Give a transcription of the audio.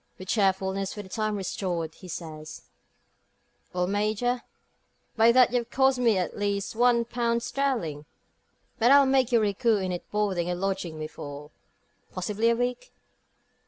With cheerfulness for the time restored, he says: "Well, Major, by that you've cost me at at least one pound sterling. But I'll make you recoup it in boarding and lodging me for possibly a week."